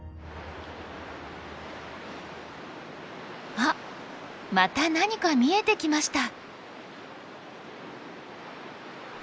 あっまた何か見えてきました。